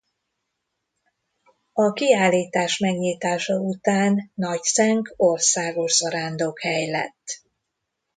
A kiállítás megnyitása után Nagycenk országos zarándokhely lett.